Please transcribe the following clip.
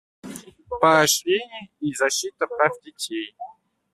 Поощрение и защита прав детей.